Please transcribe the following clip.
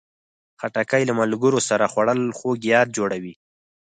خټکی له ملګرو سره خوړل خوږ یاد جوړوي.